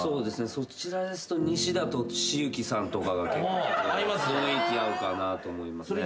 そちらですと西田敏行さんとかが結構雰囲気合うかなと思いますね。